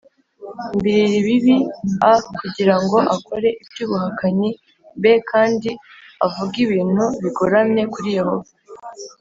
mbirira ibibi a kugira ngo akore iby ubuhakanyi b kandi avuge ibintu bigoramye kuri Yehova